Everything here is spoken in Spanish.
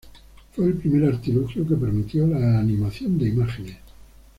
Fue el primer artilugio que permitió la animación de imágenes.